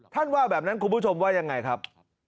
ว่าแบบนั้นคุณผู้ชมว่ายังไงครับ